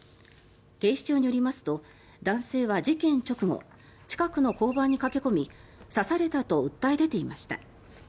警視庁によりますと男性は事件直後近くの交番に駆け込み刺されたと訴え出ていました。